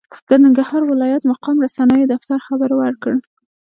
د ننګرهار ولايت مقام رسنیو دفتر خبر ورکړ،